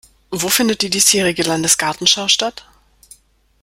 Wo findet die diesjährige Landesgartenschau statt?